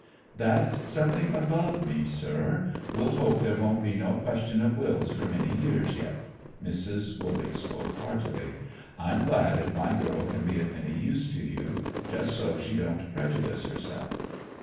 "That's something above me, sir. We'll hope there won't be no question of wills for many years yet," Mrs. Wooley spoke heartily. "I'm glad if my girl can be of any use to you, just so she don't prejudice herself."